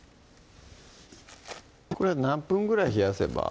これは何分ぐらい冷やせば？